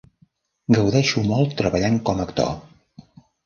Gaudeixo molt treballant com actor.